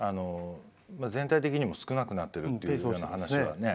全体的にも少なくなってるっていうような話はね。